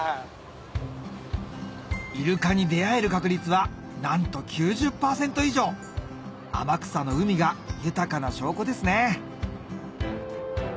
イルカに出合える確率はなんと９０％以上天草の海が豊かな証拠ですね